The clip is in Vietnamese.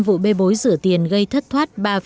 vụ bê bối rửa tiền gây thất thoát